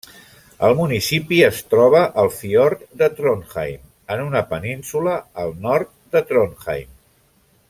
El municipi es troba al fiord de Trondheim, en una península al nord de Trondheim.